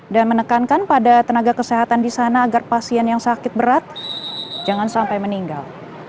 dan menekankan pada tenaga kesehatan di sana agar pasien yang sakit berat jangan sampai meninggal